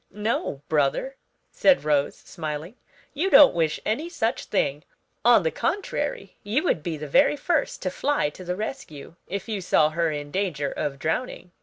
"No, brother," said Rose, smiling, "you don't wish any such thing; on the contrary, you would be the very first to fly to the rescue if you saw her in danger of drowning."